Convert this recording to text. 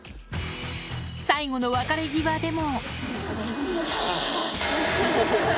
最後の別れ際でも。